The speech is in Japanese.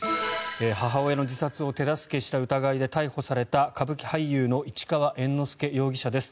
母親の自殺を手助けした疑いで逮捕された歌舞伎俳優の市川猿之助容疑者です。